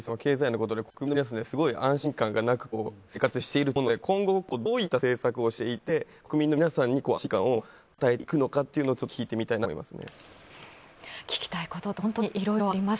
国民の皆さんがすごく安心感がなく生活していると思うので、今後、どういった政策をしていって国民の皆さんに安心感を与えていくのかちょっと聞いてみたいなと思いますね。